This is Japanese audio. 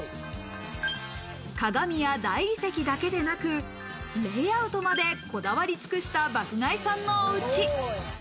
鏡や大理石だけでなく、レイアウトまでこだわり尽くした爆買いさんのおうち。